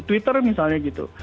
twitter misalnya gitu